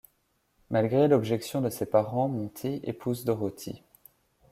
Malgré l'objection de ses parents, Monty épouse Dorothy.